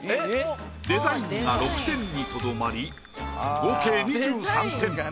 デザインが６点にとどまり合計２３点。